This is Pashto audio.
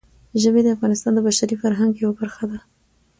ژبې د افغانستان د بشري فرهنګ یوه برخه ده.